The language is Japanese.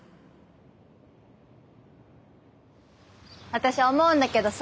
私思うんだけどさ。